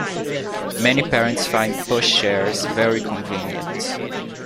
Many parents find pushchairs very convenient